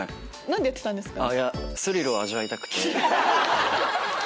何でやってたんですか？